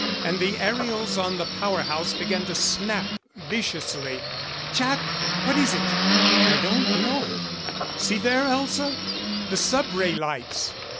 And the aerials on the power house began to snap viciously. "Jac! What is it?" "I don't know. See there, Elza? The sub ray lights!"